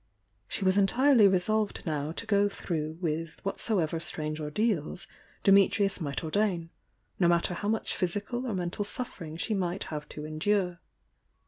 She was entirely resolved now to go throu^ with whatsoever strange ordeals Dimitrius might ordain, no matter how much physical or mental suf fering she might have to endure.